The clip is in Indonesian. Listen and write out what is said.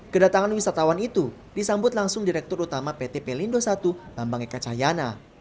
kedatangan wisatawan itu disambut langsung direktur utama pt pelindo i bambang eka cahyana